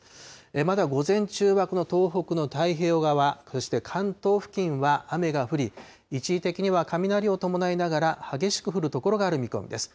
まだ午前中は、この東北の太平洋側、そして関東付近は雨が降り、一時的には雷を伴いながら、激しく降る所がある見込みです。